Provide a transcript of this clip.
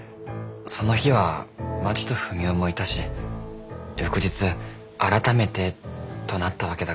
その日はまちとふみおもいたし翌日改めてとなったわけだが。